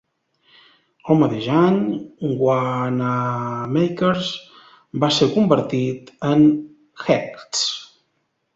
El mateix any, Wanamaker's va ser convertit en Hecht's.